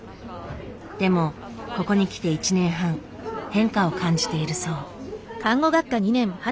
でもここに来て１年半変化を感じているそう。